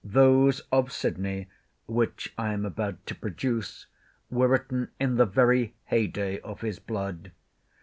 Those of Sydney, which I am about to produce, were written in the very hey day of his blood.